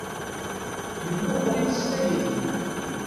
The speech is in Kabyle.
Yemmuqqel-itt s tayri.